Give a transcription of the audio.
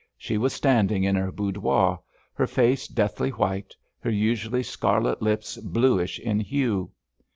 She was standing in her boudoir, her face deathly white, her usually scarlet lips bluish in hue.